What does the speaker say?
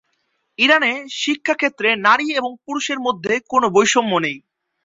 ইরানে শিক্ষা ক্ষেত্রে নারী এবং পুরুষের মধ্যে কোনো বৈষম্য নেই।